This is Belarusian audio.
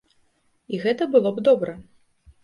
І гэта было б добра.